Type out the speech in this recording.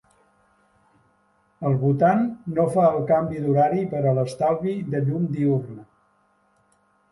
El Bhutan no fa el canvi horari per a l'estalvi de llum diürna.